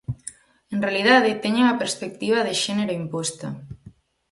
En realidade teñen a perspectiva de xénero imposta.